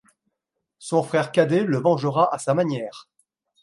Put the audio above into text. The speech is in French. Son frère cadet le vengera à sa manière...